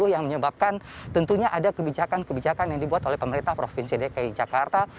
yang menyebabkan tentunya ada kebijakan kebijakan yang dibuat oleh pemerintah provinsi dki jakarta